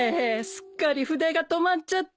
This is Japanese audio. すっかり筆が止まっちゃって。